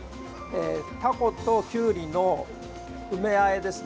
タコときゅうりの梅あえです。